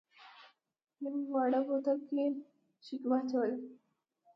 یوه واړه بوتل کې یې شګې واچولې.